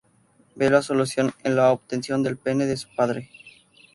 Ve la solución en la obtención del pene de su padre.